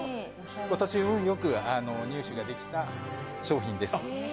私、運よく入手できた商品です。